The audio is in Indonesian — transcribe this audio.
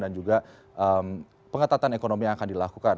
dan juga pengetatan ekonomi yang akan dilakukan